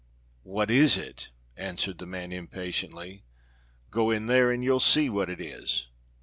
"What is it?" answered the man impatiently. "Go in there and you'll see what it is!"